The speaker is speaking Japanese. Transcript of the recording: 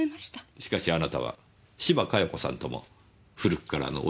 しかしあなたは島加代子さんとも古くからのお知り合いでした。